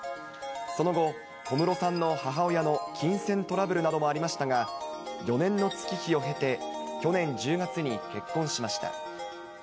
その後、小室さんの母親の金銭トラブルなどもありましたが、４年の月日を経て、去年１０月に結婚しました。